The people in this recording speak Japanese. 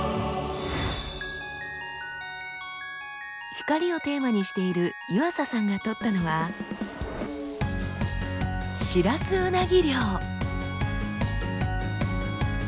光をテーマにしている湯淺さんが撮ったのはしらすうなぎ漁。